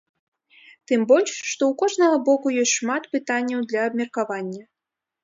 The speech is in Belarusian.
Тым больш, што ў кожнага боку ёсць шмат пытанняў для абмеркавання.